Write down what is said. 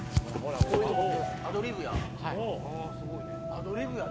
アドリブや！